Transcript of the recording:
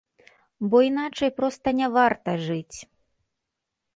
Бо іначай проста не варта жыць.